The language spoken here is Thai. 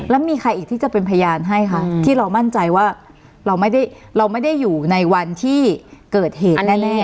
แล้วมีใครอีกที่จะเป็นพยานให้คะที่เรามั่นใจว่าเราไม่ได้เราไม่ได้อยู่ในวันที่เกิดเหตุแน่